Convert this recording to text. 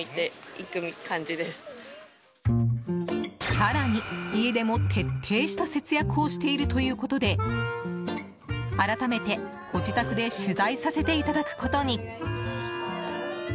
更に、家でも徹底した節約をしているということで改めて、ご自宅で取材させていただくことに。